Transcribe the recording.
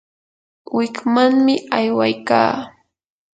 wikmanmi aywaykaa.